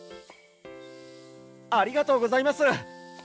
ありがとうございます。